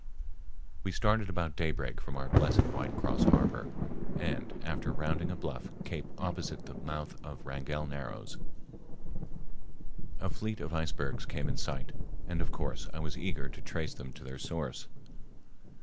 We started about daybreak from our blessed white cross harbor, and, after rounding a bluff cape opposite the mouth of Wrangell Narrows, a fleet of icebergs came in sight, and of course I was eager to trace them to their source.